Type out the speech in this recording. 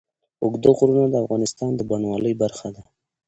اوږده غرونه د افغانستان د بڼوالۍ برخه ده.